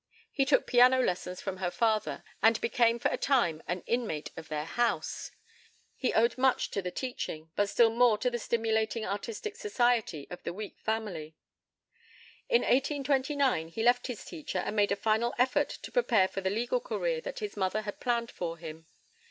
He took piano lessons of her father, and became for a time an inmate of their house. He owed much to the teaching, but still more to the stimulating artistic society of the Wieck family. In 1829 he left his teacher, and made a final effort to prepare for the legal career that his mother had planned for him.